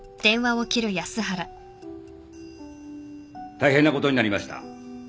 大変なことになりました。